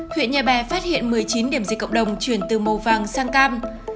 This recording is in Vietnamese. huyện nhà bè phát hiện một mươi chín điểm dịch cộng đồng chuyển từ màu vàng sang cam